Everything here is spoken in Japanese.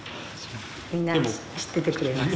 みんな知っててくれます。